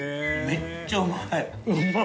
めっちゃうまい。